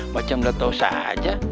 macam udah tahu saja